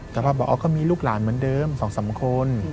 แต่พอบอกก็มีลูกหลานเหมือนเดิม๒๓คน